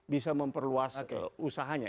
bisa memperluas usahanya